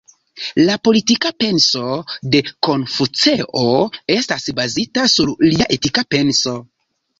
La politika penso de Konfuceo estas bazita sur lia etika penso.